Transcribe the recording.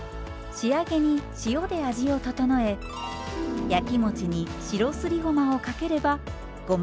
仕上げに塩で味を調え焼き餅に白すりごまをかければごましるこの完成です。